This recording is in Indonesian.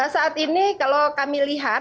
saat ini kalau kami lihat